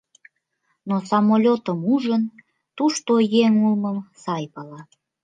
Но самолётым ужын, тушто еҥ улмым сай пала.